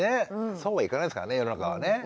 そうはいかないですからね世の中はね。